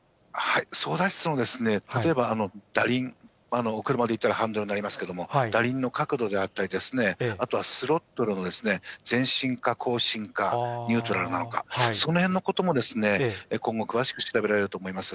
操舵室の、たとえば舵輪、車で言ったらハンドルになりますけれども、舵輪の角度であったり、あとはスロットルの前進か後進かニュートラルなのか、そのへんのことも今後、詳しく調べられると思います。